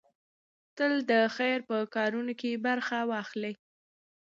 تل د خير په کارونو کې برخه واخلئ.